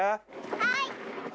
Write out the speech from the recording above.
はい。